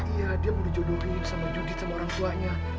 iya dia mau dijodohin sama judi sama orang tuanya